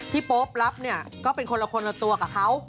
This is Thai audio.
โป๊ปรับเนี่ยก็เป็นคนละคนละตัวกับเขา